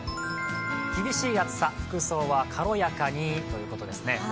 厳しい暑さ、服装は軽やかにということですね。